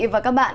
và các bạn